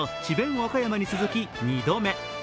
和歌山に続き２度目。